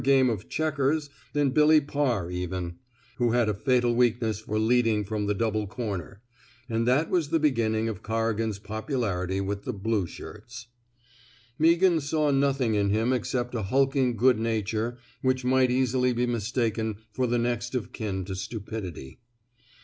EATEES game of checkers '* than Billy Parr even, who had a fatal weakness for leading from the double comer; and that was the begin ning of Corrigan's popularity with the ^^blue shirts/' Captain Meaghan saw nothing in him ex cept a hulking good nature which might easily be mistaken for the next of kin to stu pidity.